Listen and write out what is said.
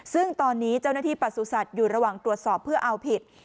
ซึ่งตอนนี้เจ้าหน้าที่ประสุทธิ์อยู่ระหว่างตรวจสอบเพื่อเอาผิด